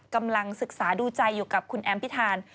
กำลังศึกษาดูใจอยู่กับคุณแอมพิธาน